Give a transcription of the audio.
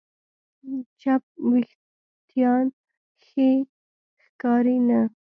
چپ وېښتيان ښې ښکاري نه.